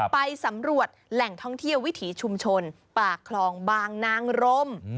ไปสำรวจแหล่งท่องเที่ยววิถีชุมชนปากคลองบางนางรม